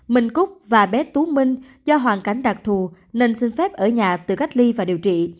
minh cúc và bé tú minh do hoàn cảnh đặc thù nên xin phép ở nhà tự cách ly và điều trị